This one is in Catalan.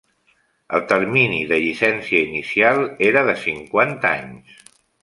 El termini de llicència inicial era de cinquanta anys.